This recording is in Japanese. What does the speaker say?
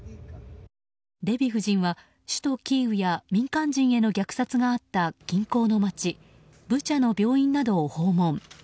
デヴィ夫人は首都キーウや民間人への虐殺があった近郊の街ブチャの病院などを訪問。